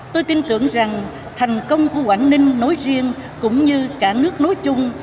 tôi tin tưởng rằng thành công của quảng ninh nối riêng cũng như cả nước nối chung